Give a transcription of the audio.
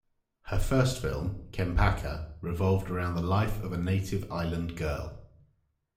Her first film, "Cempaka", revolved around the life of a native island girl.